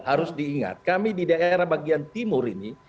harus diingat kami di daerah bagian timur ini